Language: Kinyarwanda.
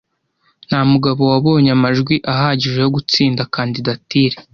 Nta mugabo wabonye amajwi ahagije yo gutsinda kandidatire.